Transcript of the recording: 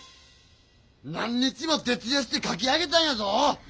何日もてつ夜してかき上げたんやぞ！